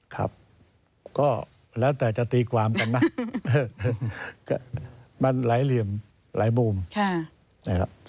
ครับก็แล้วแต่จะตีความกันนะมันหลายเหลี่ยมหลายมุมนะครับ